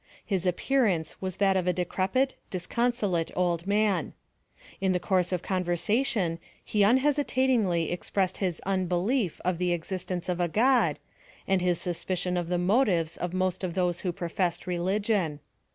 His appearance was that of a decrepit, disconsolate old man. In the course of conversation he unhesi tatingly expressed his unbelief of the existence of a God, and his suspicion of the motives of most of those who professed religion.